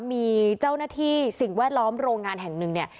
มีเจ้าหน้าที่สิ่งแวดล้อมโรงงานแห่งหนึ่งเนี่ย